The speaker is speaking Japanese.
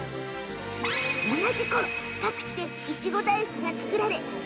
同じころ、各地でいちご大福が作られたのね